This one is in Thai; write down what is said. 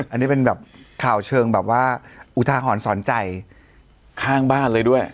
อันนี้เป็นแบบข่าวเชิงแบบว่าอุทาหรณ์สอนใจข้างบ้านเลยด้วย